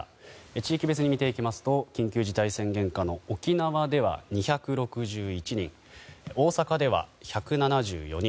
地域別に見ていきますと緊急事態宣言下の沖縄では２６１人大阪では１７４人。